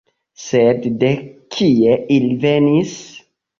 Sed de kie ili venis?